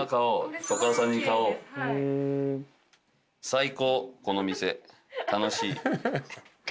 最高この店楽しい。